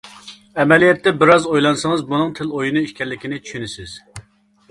ئەمەلىيەتتە ، بىر ئاز ئويلانسىڭىز ، بۇنىڭ تىل ئويۇنى ئىكەنلىكىنى چۈشىنىسىز.